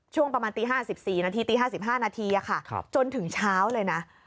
ช่วงประมาณตี๕๔นาทีตี๕๕นาทีจนถึงเช้าเลยนะ